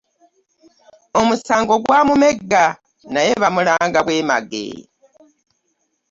Omusingo gwamumegga naye baamulanga bwemage.